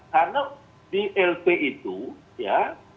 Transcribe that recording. karena di lp itu ya